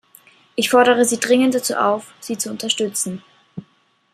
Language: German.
Ich fordere Sie dringend auf, sie zu unterstützen.